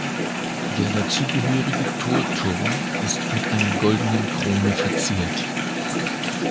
Der dazugehörige Torturm ist mit einer goldenen Krone verziert.